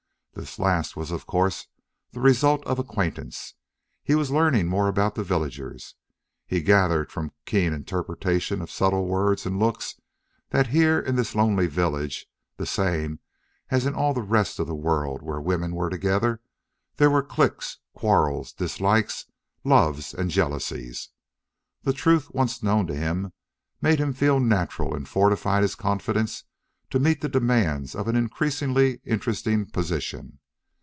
This last was of course the result of acquaintance; he was learning more about the villagers. He gathered from keen interpretation of subtle words and looks that here in this lonely village, the same as in all the rest of the world where women were together, there were cliques, quarrels, dislikes, loves, and jealousies. The truth, once known to him, made him feel natural and fortified his confidence to meet the demands of an increasingly interesting position.